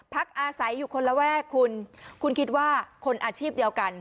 พักอาศัยอยู่คนละแวกคุณคุณคิดว่าคนอาชีพเดียวกัน